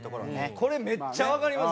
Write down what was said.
これめっちゃわかります。